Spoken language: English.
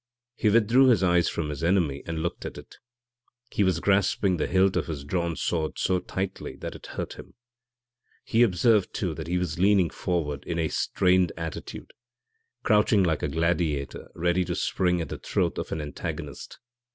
He withdrew his eyes from his enemy and looked at it. He was grasping the hilt of his drawn sword so tightly that it hurt him. He observed, too, that he was leaning forward in a strained attitude crouching like a gladiator ready to spring at the throat of an antagonist.